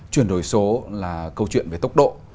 chuyển đổi số là câu chuyện về tốc độ